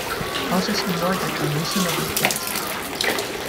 Houses in Warden are reasonably priced.